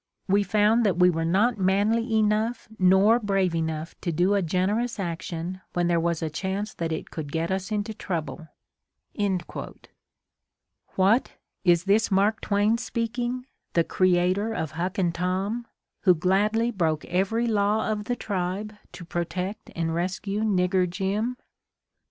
We found that we were not manly enough nor brave enough to do a generous action when there was a chance that it could get us into trouble. '' What, is this Mark Twain speaking, the creator of Huck and Tom, who gladly broke every law of the tribe to protect and rescue Nigger Jim?